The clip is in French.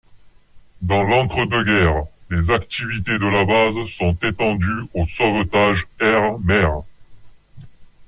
Dans l'entre-deux guerres, les activités de la base sont étendues aux sauvetages air-mer.